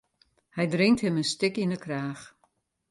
Hy drinkt him in stik yn 'e kraach.